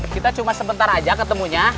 kita cuma sebentar aja ketemunya